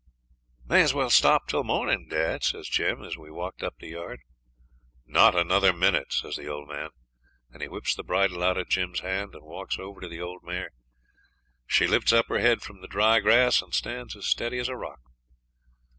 'May as well stop till morning, dad,' says Jim, as we walked up to the yard. 'Not another minute,' says the old man, and he whips the bridle out of Jim's hand and walks over to the old mare. She lifts up her head from the dry grass and stands as steady as a rock.